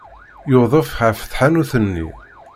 Yudef ɣer tḥanut-nni.